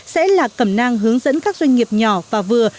sẽ là cầm nang hướng dẫn các doanh nghiệp nhỏ và vừa